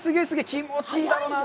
気持ちいいだろうなぁ。